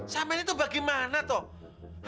sama ini tuh bagaimana tuh